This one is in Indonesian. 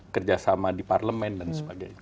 kerjasama di parlemen dan sebagainya